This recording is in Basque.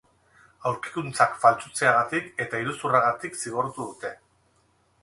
Aurkikuntzak faltsutzeagatik eta iruzurragatik zigortu dute.